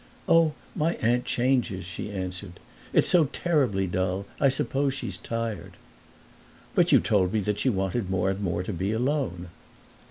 "Oh, my aunt changes," she answered; "it's so terribly dull I suppose she's tired." "But you told me that she wanted more and more to be alone."